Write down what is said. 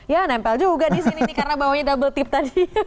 ya nempel juga di sini nih karena bawanya double tip tadi